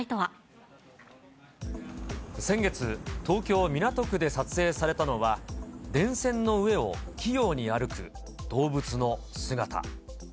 先月、東京・港区で撮影されたのは、電線の上を器用に歩く動物の姿。